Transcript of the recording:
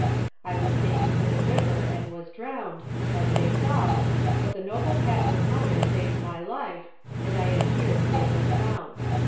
383 I was taken to the river and was drowned, as tliey thought, but the noble Pat CConner saved rny life, and I am here safe and sound.